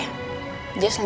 jess lanjut siap siap ya